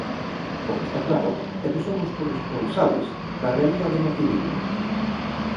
O que está claro é que somos corresponsables da realidade na que vivimos.